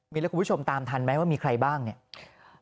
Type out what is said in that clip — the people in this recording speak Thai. มีแล้วคุณผู้ชมตามทันไหมว่ามีใครบ้างเนี่ย